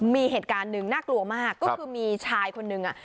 มีเหตุการณ์หนึ่งน่ากลัวมากก็คือมีชายคนนึงอ่ะ